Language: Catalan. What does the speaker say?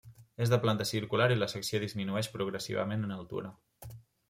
És de planta circular i la secció disminueix progressivament en altura.